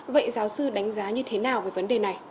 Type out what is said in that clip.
vậy giáo sư đánh giá như thế nào về vấn đề này